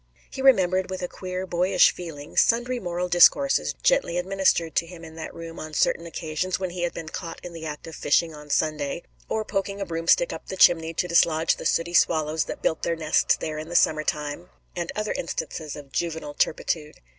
He remembered, with a queer, boyish feeling, sundry moral discourses gently administered to him in that room on certain occasions when he had been caught in the act of fishing on Sunday, or poking a broomstick up the chimney to dislodge the sooty swallows that built their nests there in the summer time, and other instances of juvenile turpitude.